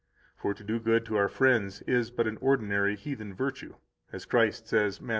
For to do good to our friends is but an ordinary heathen virtue, as Christ says Matt.